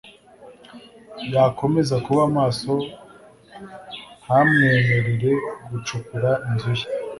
yakomeza kuba maso ntamwemerere gucukura inzu ye